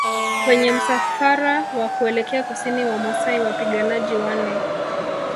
Kwenye msafara wa kuelekea Kusini Wamasai Wapiganaji wanne